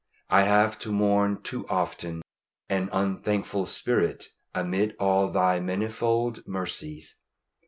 I have to mourn too often an unthankful spirit amid all Thy manifold mercies.